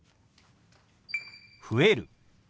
「増える」。